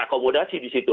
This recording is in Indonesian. akomodasi di situ